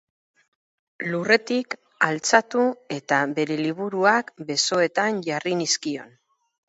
Lurretik altxatu eta bere liburuak besoetan jarri nizkion.